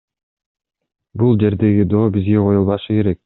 Бул жердеги доо бизге коюлбашы керек.